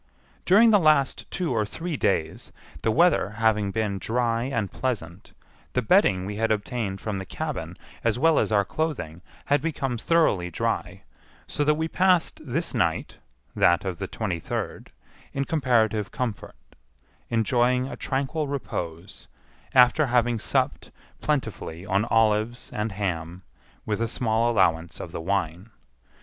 During the last two or three days, the weather having been dry and pleasant, the bedding we had obtained from the cabin, as well as our clothing, had become thoroughly dry, so that we passed this night (that of the twenty third) in comparative comfort, enjoying a tranquil repose, after having supped plentifully on olives and ham, with a small allowance of the wine.